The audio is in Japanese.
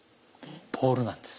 ボールなんです。